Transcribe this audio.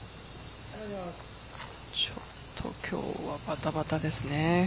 ちょっと今日はばたばたですね。